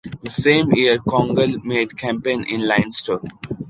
The same year, Congal made campaign in Leinster.